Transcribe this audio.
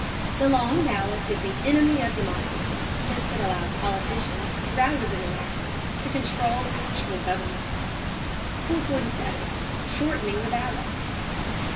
The long ballot is the enemy of democracy, since it allows politicians, rather than the masses, to control actual government. 447. SHORTENING THE BALLOT.